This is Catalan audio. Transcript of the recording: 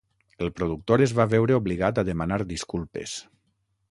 El productor es va veure obligat a demanar disculpes.